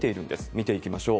見ていきましょう。